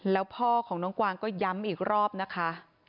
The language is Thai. แล้วพ่อของน้องกวางก็ย้ำอีกรอบนะคะ